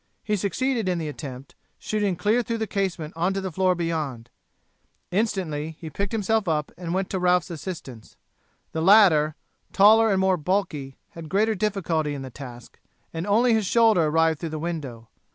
He succeeded in the attempt, shooting clear through the casement on to the floor beyond. Instantly he picked himself up and went to Ralph's assistance. The latter, taller and more bulky, had greater difficulty in the task, and only his shoulder arrived through the window.